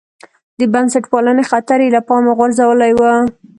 د بنسټپالنې خطر یې له پامه غورځولی و.